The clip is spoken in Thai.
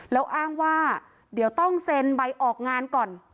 แล้วอ้างว่าเดี๋ยวต้องเซ็นใบออกงานก่อน